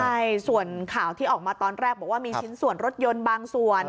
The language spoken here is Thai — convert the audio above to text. ใช่ส่วนข่าวที่ออกมาตอนแรกบอกว่ามีชิ้นส่วนรถยนต์บางส่วน